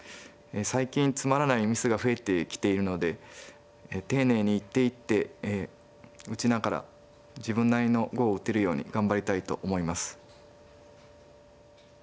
最近つまらないミスが増えてきているので丁寧に一手一手打ちながら自分なりの碁を打てるように頑張りたいと思います。